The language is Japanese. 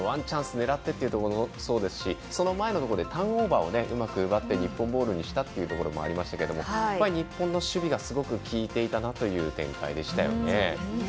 狙ってというところもそうですしその前のところでターンオーバーをうまく奪って日本ボールにしたというのもありましたけど日本の守備がすごくきいていたなという展開でしたよね。